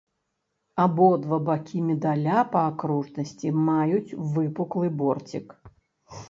Абодва бакі медаля па акружнасці маюць выпуклы борцік.